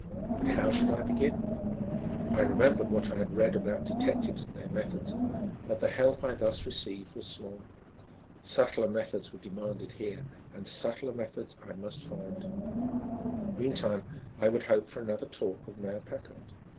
But how should I begin? I remembered what I had read about detectives and their methods, but the help I thus received was small. Subtler methods were demanded here and subtler methods I must find. Meantime, I would hope for another talk with Mayor Packard.